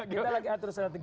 kita lagi atur strategi